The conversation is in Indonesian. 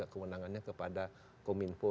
kewenangannya kepada kominfo